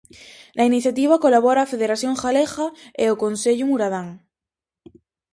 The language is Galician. Na iniciativa colabora a federación galega e o concello muradán.